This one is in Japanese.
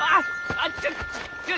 あっちょ！